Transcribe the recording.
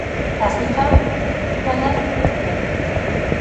დასუფთავების მანქანას" უყურებთ.